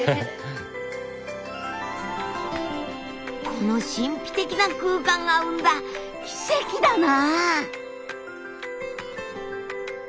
この神秘的な空間が生んだ奇跡だな。